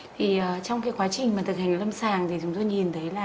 thì trong cái quá trình mà thực hành luật lâm sàng thì chúng tôi nhìn thấy là